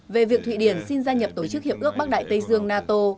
về việc thụy điển xin gia nhập tổ chức hiệp ước bắc đại tây dương nato